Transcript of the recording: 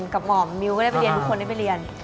หม่อมมิวก็ได้ไปเรียนทุกคนได้ไปเรียน